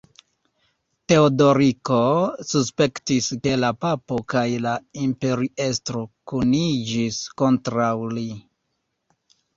Teodoriko suspektis ke la papo kaj la imperiestro kuniĝis kontraŭ li.